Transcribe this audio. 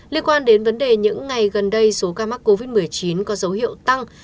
liên quan đến vấn đề những ngày gần đây số ca mắc covid một mươi chín có dấu hiệu tăng